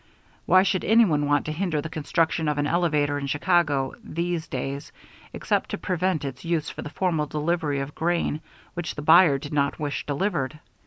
Why should any one want to hinder the construction of an elevator in Chicago "these days" except to prevent its use for the formal delivery of grain which the buyer did not wish delivered?